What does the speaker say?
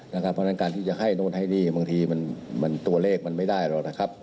เพราะฉะนั้นการที่จะให้โน่นให้นี่บางทีมันตัวเลขมันไม่ได้หรอกนะครับ